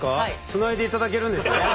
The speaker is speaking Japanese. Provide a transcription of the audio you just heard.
つないでいただけるんですね？